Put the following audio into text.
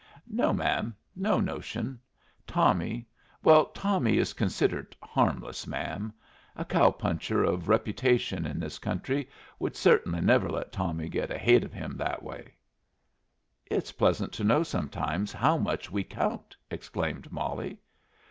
"No, ma'am, no notion. Tommy well, Tommy is considered harmless, ma'am. A cow puncher of reputation in this country would cert'nly never let Tommy get ahaid of him that way." "It's pleasant to know sometimes how much we count!" exclaimed Molly.